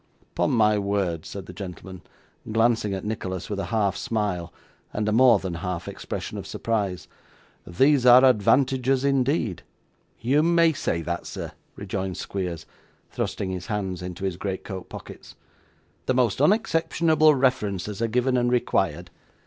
'Upon my word,' said the gentleman, glancing at Nicholas with a half smile, and a more than half expression of surprise, 'these are advantages indeed.' 'You may say that, sir,' rejoined Squeers, thrusting his hands into his great coat pockets. 'The most unexceptionable references are given and required.